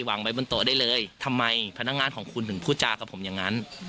วางไว้บนโต๊ะได้เลยทำไมพนักงานของคุณถึงพูดจากับผมอย่างนั้น